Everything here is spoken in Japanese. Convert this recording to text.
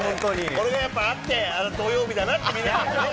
これがやっぱあって、土曜日だなって、みんながね。